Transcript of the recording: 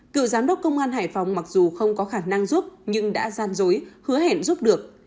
cựu giám đốc công an hải phòng mặc dù không có khả năng giúp nhưng đã gian dối hứa hẹn giúp được